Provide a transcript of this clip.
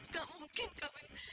gak mungkin karla